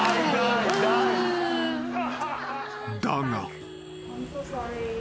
［だが］